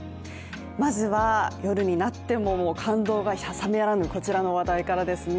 まずは夜になっても感動が冷めやらぬこちらの話題からですね。